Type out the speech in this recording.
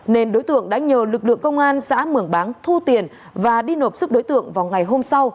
nên đối tượng đã nhờ lực lượng công an xã mường bán thu tiền và đi nộp sức đối tượng vào ngày hôm sau